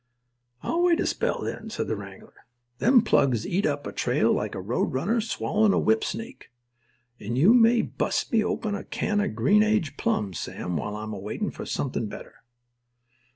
"I'll wait a spell, then," said the wrangler. "Them plugs eat up a trail like a road runner swallowin' a whip snake. And you may bust me open a can of greengage plums, Sam, while I'm waitin' for somethin' better."